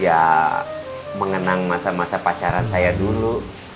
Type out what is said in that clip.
ya mengenang masa masa pacaran saya dulu